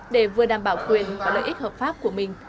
để vừa đảm bảo quyền và lợi ích hợp pháp của mình